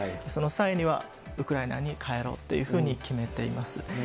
その際には、ウクライナに帰ろうというふうに決めています。